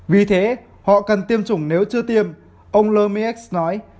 vì thế họ cần tiêm chủng nếu chưa tiêm ông lmiec nói